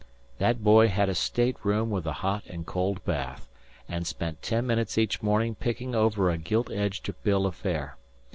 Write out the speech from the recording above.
That boy had a stateroom with a hot and cold bath, and spent ten minutes each morning picking over a gilt edged bill of fare.